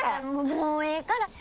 もうええから。